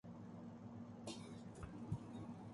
چونکہ عرصۂ دراز سے اقتدار کی سیاست میں بھی فعال ہیں۔